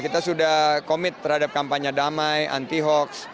kita sudah komit terhadap kampanye damai anti hoax